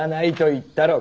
言ったろう。